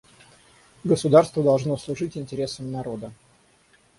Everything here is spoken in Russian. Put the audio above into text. Государство должно служить интересам народа.